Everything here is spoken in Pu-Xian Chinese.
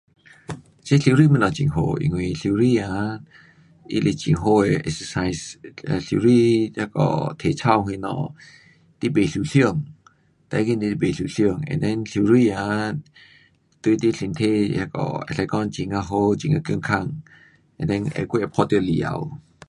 这游泳东西很好,因为游泳哈，它是很好的 exercise，游泳那个体操什么，你不受伤，最要紧就是不受伤。and then 游泳哈，对你身体那个可以说很呀好，很呀健康。and then 还会晒到太阳。